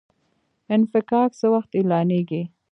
انفکاک څه وخت اعلانیږي؟